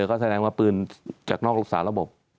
ก็แสดงว่าปืนจากนอกลูกสารระบบ